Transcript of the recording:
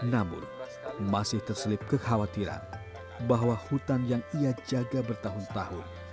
namun masih terselip kekhawatiran bahwa hutan yang ia jaga bertahun tahun